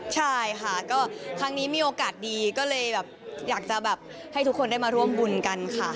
ใช่ค่ะก็ครั้งนี้มีโอกาสดีก็เลยแบบอยากจะแบบให้ทุกคนได้มาร่วมบุญกันค่ะ